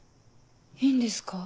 いいんですか？